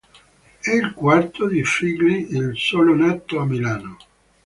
È il quarto dei figli, il solo nato a Milano.